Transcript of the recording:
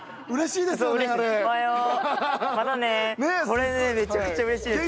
これねめちゃくちゃ嬉しいですよ